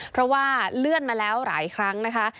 เพราะว่าเลื่อนมาแล้วหลายครั้งนะคะ